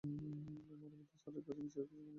মারুথামুথু স্যারের কাছে বিস্তারিত সকল বিবরণ আছে।